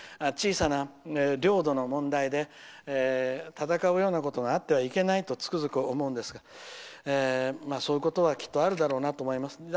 小さな領土の問題で戦うようなことがあってはいけないとつくづく思うんですがそういうことはきっとあるだろうなと思います。